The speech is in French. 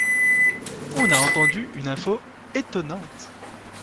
On a entendu une info étonnante.